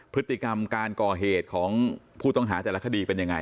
พฤติกรรมการก่อเหตุของผู้ต้องหาแต่ละคดีเป็นยังไง